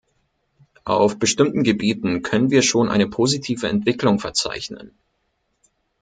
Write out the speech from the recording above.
Auf bestimmten Gebieten können wir schon eine positive Entwicklung verzeichnen.